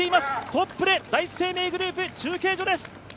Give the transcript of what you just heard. トップで第一生命グループ中継所です。